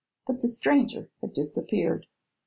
But the stranger had disappeared.